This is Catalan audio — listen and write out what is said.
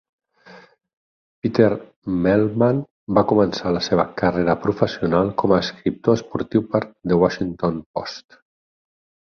Peter Mehlman va començar la seva carrera professional com a escriptor esportiu per al "The Washington Post".